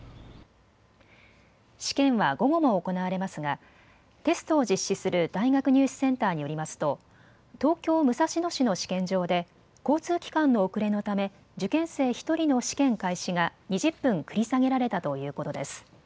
試験は午後も行われますがテストを実施する大学入試センターによりますと東京武蔵野市の試験場で交通機関の遅れのため受験生１人の試験開始が２０分繰り下げられたということです。